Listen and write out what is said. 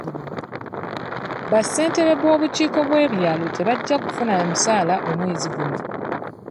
Bassentebe b'obukiiko bw'ebyalo tebajja kufuna musaala omwezi guno.